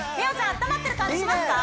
温まってる感じしますか？